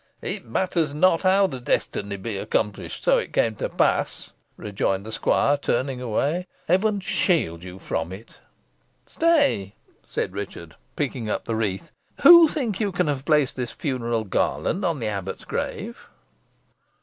"It matters not how the destiny be accomplished, so it come to pass," rejoined the squire, turning away. "Heaven shield you from it!" "Stay!" said Richard, picking up the wreath. "Who, think you, can have placed this funeral garland on the abbot's grave?"